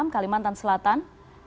kalimantan selatan enam belas